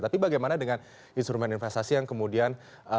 tapi bagaimana dengan instrumen investasi yang kemudian